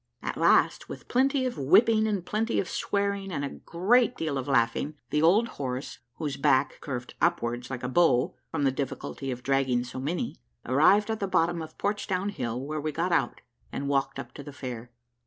At last, with plenty of whipping, and plenty of swearing, and a great deal of laughing, the old horse, whose back curved upwards like a bow, from the difficulty of dragging so many, arrived at the bottom of Portsdown Hill, where we got out, and walked up to the fair.